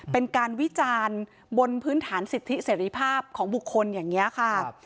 เป็นการวิจารณ์บนพื้นฐานสิทธิเสรีภาพของบุคคลอย่างนี้ค่ะ